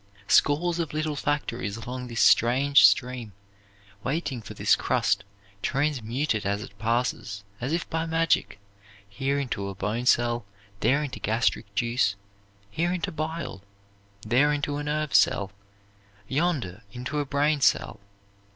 Scores of little factories along this strange stream, waiting for this crust, transmute it as it passes, as if by magic, here into a bone cell, there into gastric juice, here into bile, there into a nerve cell, yonder into a brain cell.